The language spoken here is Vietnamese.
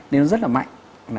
nên nó rất là mạnh